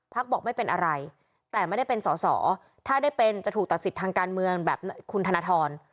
บอกไม่เป็นอะไรแต่ไม่ได้เป็นสอสอถ้าได้เป็นจะถูกตัดสิทธิ์ทางการเมืองแบบคุณธนทร